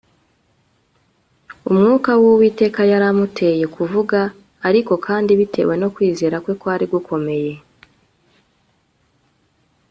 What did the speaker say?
Umwuka wUwiteka yari amuteye kuvuga ariko kandi bitewe no kwizera kwe kwari gukomeye